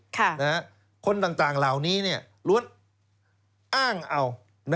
คนต่างเหล่านี้ล้วนอ้างเอา